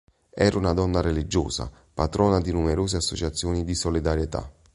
Era una donna religiosa, patrona di numerose associazioni di solidarietà.